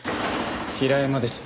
平山です。